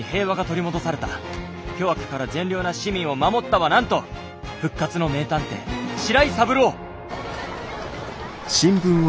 巨悪から善良な市民を守ったはなんと復活の名探偵白井三郎」。